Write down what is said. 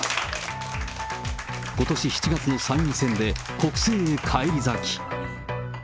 ことし７月の参議院選で国政へ返り咲き。